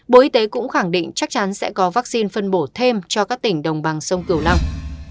bộ y tế cũng khẳng định chắc chắn sẽ có vaccine phân bổ thêm cho các tỉnh đồng bằng sông cửu long